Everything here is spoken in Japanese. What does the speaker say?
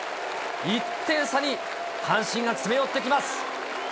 １点差に阪神が詰め寄ってきます。